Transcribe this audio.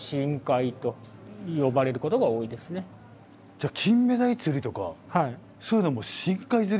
じゃキンメダイ釣りとかそういうのも深海釣りですね。